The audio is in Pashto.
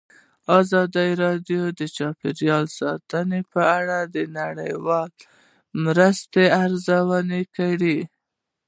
ازادي راډیو د چاپیریال ساتنه په اړه د نړیوالو مرستو ارزونه کړې.